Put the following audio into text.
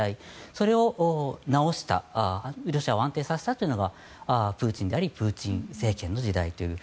それを直したロシアを安定させたというのがプーチンでありプーチン政権の時代という。